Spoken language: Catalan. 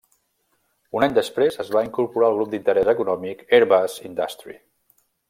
Un any després, es va incorporar al grup d'interès econòmic Airbus Industrie.